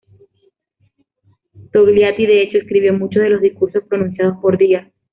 Togliatti, de hecho, escribió muchos de los discursos pronunciados por Díaz.